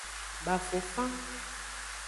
Bafofan.